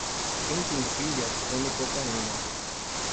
Quem tem filhas come cocaína.